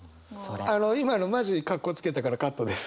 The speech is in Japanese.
あの今のマジかっこつけたからカットです。